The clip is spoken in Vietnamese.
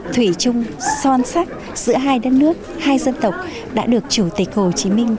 thủy chung son sắc giữa hai đất nước hai dân tộc đã được chủ tịch hồ chí minh